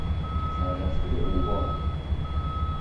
سردسته اوباش